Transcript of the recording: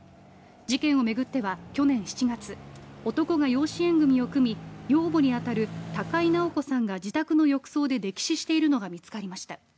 事件を巡っては去年７月男が養子縁組を組み養母に当たる高井直子さんが自宅の浴槽で溺死しているのが見つかりました。